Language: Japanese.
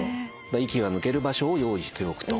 息が抜ける場所を用意しておくと。